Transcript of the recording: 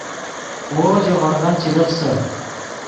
وو ژے ہورغن چے لخسے